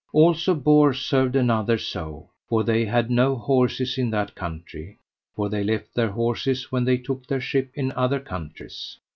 Also Bors served another so, for they had no horses in that country, for they left their horses when they took their ship in other countries.